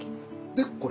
でこれ？